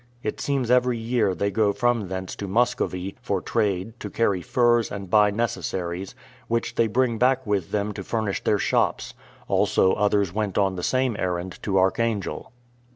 It seems every year they go from thence to Muscovy, for trade, to carry furs, and buy necessaries, which they bring back with them to furnish their shops: also others went on the same errand to Archangel.